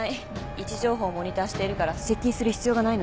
位置情報をモニターしているから接近する必要がないの。